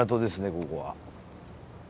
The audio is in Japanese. ここは。